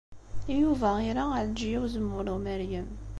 Yuba ira Ɛelǧiya n Uzemmur Umeryem.